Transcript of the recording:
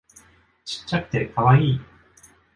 ちっちゃくてカワイイ